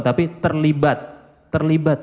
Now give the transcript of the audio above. tapi terlibat terlibat